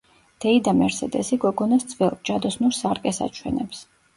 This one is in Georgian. დეიდა მერსედესი გოგონას ძველ, ჯადოსნურ სარკეს აჩვენებს.